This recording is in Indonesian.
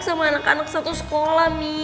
sama anak anak satu sekolah nih